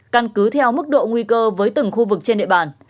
căn cứ theo mức độ nguy cơ với từng khu vực trên địa bàn